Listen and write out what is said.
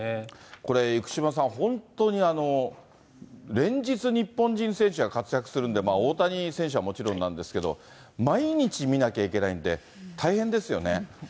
これ生島さん、本当に連日、日本人選手が活躍するんで、大谷選手はもちろんなんですけど、毎日見なきゃいけないんで、大変ですよね。